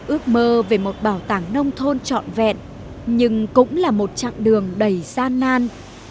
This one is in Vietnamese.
ước mơ về một bảo tàng nông thôn trọn vẹn nhưng cũng là một chặng đường đầy gian nan